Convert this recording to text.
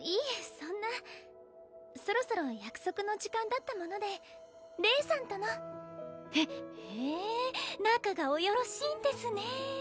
そんなそろそろ約束の時間だったものでレイさんとのへへえ仲がおよろしいんですねえ